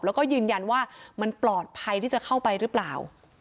แล้วก็ยืนยันว่ามันปลอดภัยที่จะเข้าไปหรือเปล่า